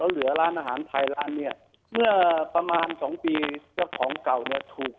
เหลือร้านอาหารไทยร้านเนี้ยเมื่อประมาณสองปีเจ้าของเก่าเนี่ยถูก